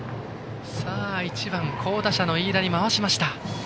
１番、好打者の飯田に回しました。